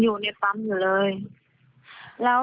ที่อ๊อฟวัย๒๓ปี